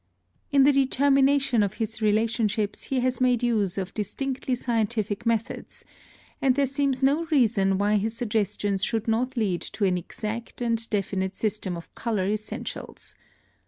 In the determination of his relationships he has made use of distinctly scientific methods, and there seems no reason why his suggestions should not lead to an exact and definite system of color essentials.